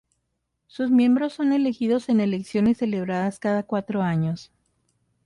Sus miembros son elegidos en elecciones celebradas cada cuatro años.